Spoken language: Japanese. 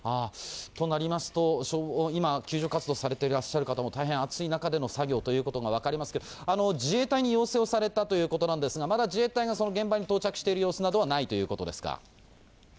となりますと、今、救助活動されていらっしゃる方も、大変暑い中での作業ということが分かりますけど、自衛隊に要請をされたということなんですが、まだ自衛隊が現場に到着している様子などはないということですか。